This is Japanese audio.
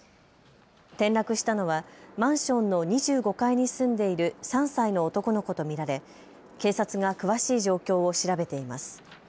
転落したのはマンションの２５階に住んでいる３歳の男の子と見られ警察が詳しい状況を調べています。